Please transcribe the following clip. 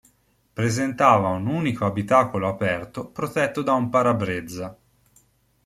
Presentava un unico abitacolo aperto protetto da un parabrezza.